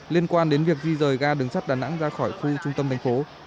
liên quan đến việc di rời ga đường sắt đà nẵng ra khỏi khu trung tâm thành phố